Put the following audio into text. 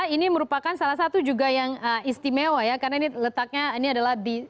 ini merupakan salah satu juga yang istimewa ya karena ini letaknya ini adalah di